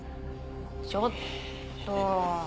ちょっと。